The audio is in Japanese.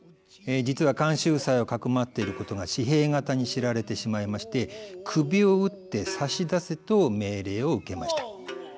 実は菅秀才をかくまっていることが時平方に知られてしまいまして首を討って差し出せと命令を受けました。